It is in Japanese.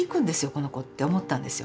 この子って思ったんですよ。